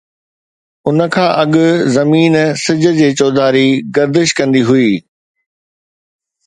ان کان اڳ زمين سج جي چوڌاري گردش ڪندي هئي.